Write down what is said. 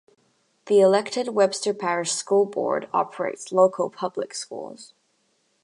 The elected Webster Parish School Board operates local public schools.